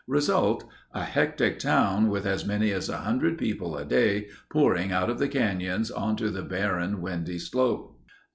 Result—a hectic town with as many as 100 people a day pouring out of the canyons onto the barren, windy slope.